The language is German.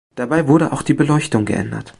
Dabei wurde auch die Beleuchtung geändert.